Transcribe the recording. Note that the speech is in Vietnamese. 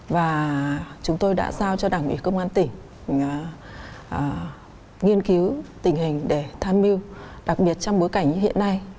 và chúng tôi đã giao cho đảng ủy công an tỉnh nghiên cứu tình hình để tham mưu đặc biệt trong bối cảnh như hiện nay